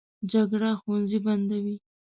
جګړه ښوونځي بندوي